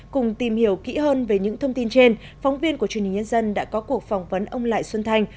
cùng tìm hiểu kỹ hơn về những thông tin trên phóng viên của truyền hình nhân dân đã có cuộc phỏng vấn ông lại xuân thanh